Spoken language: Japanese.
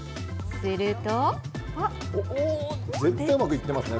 すると。